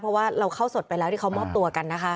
เพราะว่าเราเข้าสดไปแล้วที่เขามอบตัวกันนะคะ